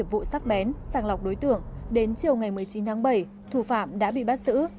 vụ sắc bén sàng lọc đối tượng đến chiều ngày một mươi chín tháng bảy thủ phạm đã bị bắt xử